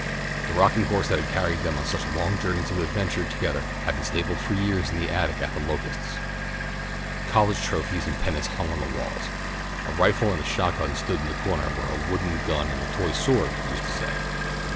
The rocking horse that had carried them such long journeys of adventure together had been stabled for years in the attic at The Locusts. College trophies and pennants hung on the walls. A rifle and a shotgun stood in the corner where a wooden gun and a toy sword used to stay.